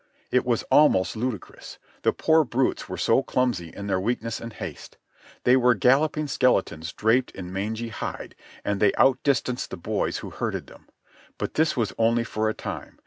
It was almost ludicrous. The poor brutes were so clumsy in their weakness and haste. They were galloping skeletons draped in mangy hide, and they out distanced the boys who herded them. But this was only for a time.